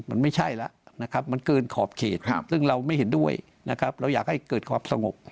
มันไม่ใช่ละมันเกินขอบเขตซึ่งเราไม่เห็นด้วยเราอยากให้เกิดความสงบ